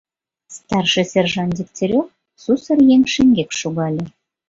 Старший сержант Дегтярев сусыр еҥ шеҥгек шогале.